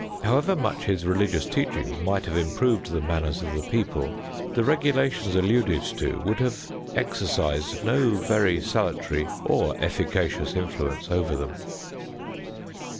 However much his religious teachings might have improved the manners of the people, the regulations alluded to would have exercised no very salutary or efficacious influence over them.